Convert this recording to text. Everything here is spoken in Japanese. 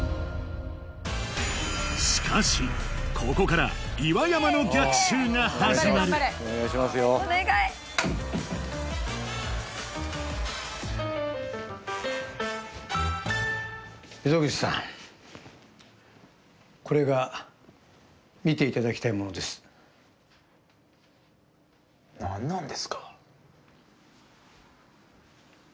しかしここから岩山の溝口さんこれが見ていただきたいものです何なんですか？